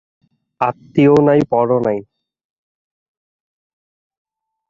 আত্মীয়ও নাই, পরও নাই।